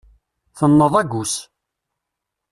Tenneḍ agus.